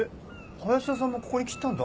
林田さんもここに来てたんだ。